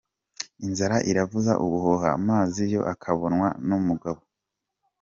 Inzara iravuza ubuhuha, amazi yo akabonwa n’umugabo.